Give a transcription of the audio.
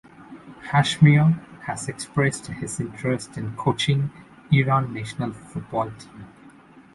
Hashemian has expressed his interest in coaching Iran national football team.